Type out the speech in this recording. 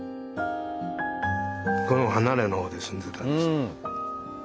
この離れの方で住んでたんです。